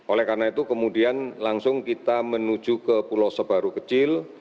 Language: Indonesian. oleh karena itu kemudian langsung kita menuju ke pulau sebaru kecil